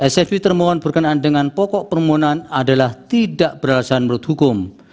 sfe termohon berkenaan dengan pokok permohonan adalah tidak beralasan menurut hukum